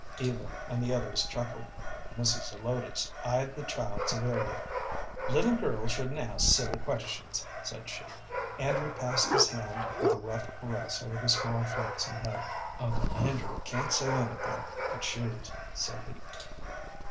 Eva and the others chuckled, but Mrs. Zelotes eyed the child severely. "Little girls shouldn't ask silly questions," said she. Andrew passed his hand with a rough caress over the small flaxen head. "Uncle Andrew can't sew anything but shoes," said he.